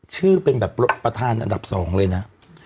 ชื่อเป็นแบบประธานอันดับ๒เลยนะ